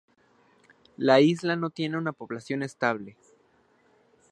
La isla no tiene una población estable.